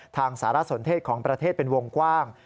ทางสารสนเทศของประเทศเป็นวงกว้าง